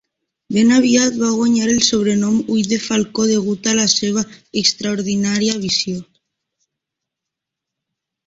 Ben aviat va guanyar el sobrenom "Ull de falcó" degut a la seva extraordinària visió.